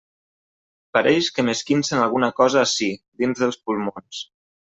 Pareix que m'esquincen alguna cosa ací, dins dels pulmons.